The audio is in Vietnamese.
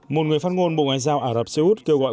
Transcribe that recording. một người phát ngôn bộ ngoại giao ả rập xê út kêu gọi quốc tế